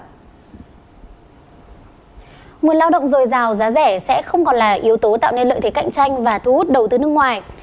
nguồn lao động dồi dào giá rẻ sẽ không còn là yếu tố tạo nên lợi thế cạnh tranh và thu hút đầu tư nước ngoài